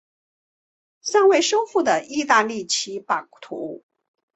尚未收复的意大利其版图。